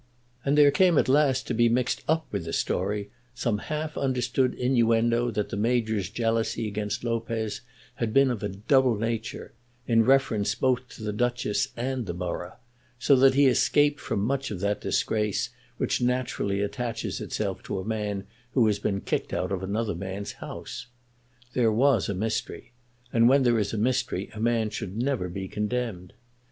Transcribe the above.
And there came at last to be mixed up with the story some half understood innuendo that the Major's jealousy against Lopez had been of a double nature, in reference both to the Duchess and the borough, so that he escaped from much of that disgrace which naturally attaches itself to a man who has been kicked out of another man's house. There was a mystery; and when there is a mystery a man should never be condemned.